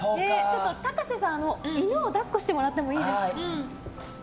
高瀬さん、犬をだっこしてもらってもいいですか。